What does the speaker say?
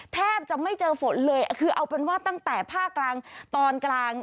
แทบจะไม่เจอฝนเลยคือเอาเป็นว่าตั้งแต่ภาคกลางตอนกลาง